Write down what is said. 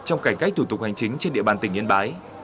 trong cảnh cách thủ tục hành chính trên địa bàn tỉnh yến bái